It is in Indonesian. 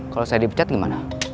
kalau saya dipecat gimana